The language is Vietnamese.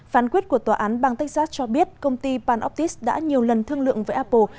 phán quyết của tòa án bang texas cho biết công ty panoptis đã nhiều lần thương lượng với apple